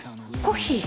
コッヒー？